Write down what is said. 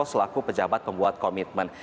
selaku pejabat pembuat komitmen